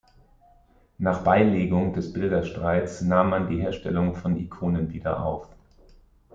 Nach Beilegung des Bilderstreits nahm man die Herstellung von Ikonen wieder auf.